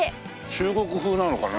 中国風なのかな？